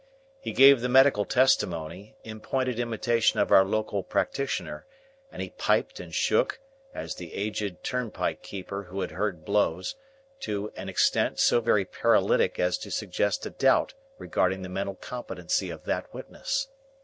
He gave the medical testimony, in pointed imitation of our local practitioner; and he piped and shook, as the aged turnpike keeper who had heard blows, to an extent so very paralytic as to suggest a doubt regarding the mental competency of that witness.